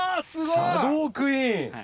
シャドークイーン！